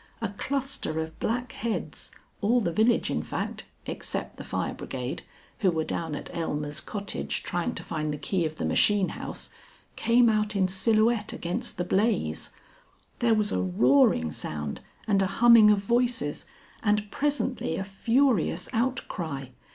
A cluster of black heads, all the village in fact, except the fire brigade who were down at Aylmer's Cottage trying to find the key of the machine house came out in silhouette against the blaze. There was a roaring sound, and a humming of voices, and presently a furious outcry.